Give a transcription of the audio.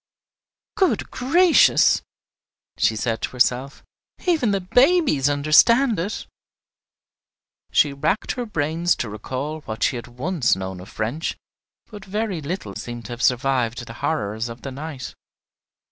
"Good gracious!" she said to herself, "even the babies understand it!" She racked her brains to recall what she had once known of French, but very little seemed to have survived the horrors of the night!